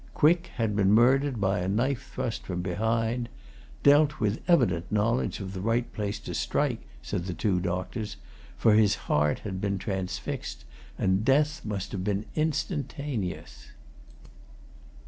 Quick had been murdered by a knife thrust from behind dealt with evident knowledge of the right place to strike, said the two doctors, for his heart had been transfixed, and death must have been instantaneous.